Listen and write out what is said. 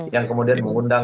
yang kemudian mengundang